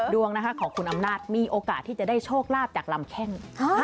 ดวงนะคะของคุณอำนาจมีโอกาสที่จะได้โชคลาภจากลำแข้ง